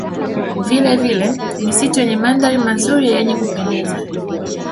Vilevile misitu yenye mandhari mazuri yenye kupendeza